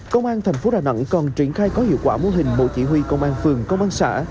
công an thành phố đà nẵng còn triển khai có hiệu quả mô hình bộ chỉ huy công an phường công an xã